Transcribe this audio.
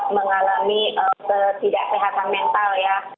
mengalami ketidaksehatan mental ya